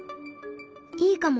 いいかも。